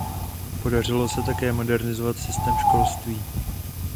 Podařilo se také modernizovat systém školství.